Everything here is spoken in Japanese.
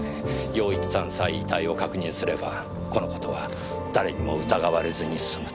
陽一さんさえ遺体を確認すればこの事は誰にも疑われずにすむと。